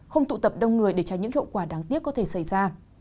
không tụ tập đông người để tránh những hậu quả đáng tiếc có thể xảy ra